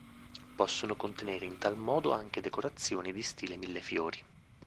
Possono contenere in tal modo anche decorazioni di stile millefiori.